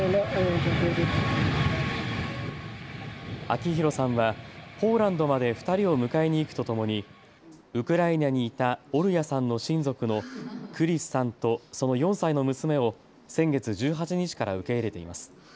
明宏さんはポーランドまで２人を迎えに行くとともにウクライナにいたオルヤさんの親族のクリスさんとその４歳の娘を先月１８日から受け入れています。